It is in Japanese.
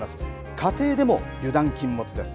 家庭でも油断禁物です。